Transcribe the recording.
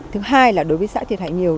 thứ hai là đối với xã thiệt hại nhiều